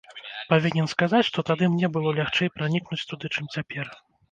Павінен сказаць, што тады мне было лягчэй пранікнуць туды, чым цяпер.